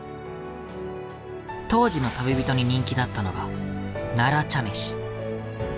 当時の旅人に人気だったのが奈良茶飯。